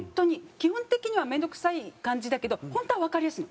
基本的には面倒くさい感じだけど本当はわかりやすいの。